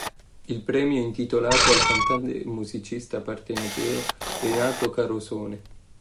Il premio è intitolato al cantante e musicista partenopeo Renato Carosone.